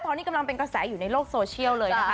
ตอนนี้กำลังเป็นกระแสอยู่ในโลกโซเชียลเลยนะคะ